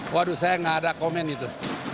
waduh saya nggak ada komen itu